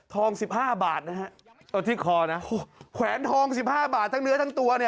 สิบห้าบาทนะฮะเอาที่คอนะแขวนทองสิบห้าบาททั้งเนื้อทั้งตัวเนี่ย